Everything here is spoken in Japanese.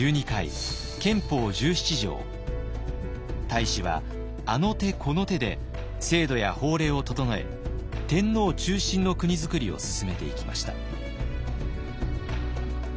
太子はあの手この手で制度や法令を整え天皇中心の国づくりを進めていきました。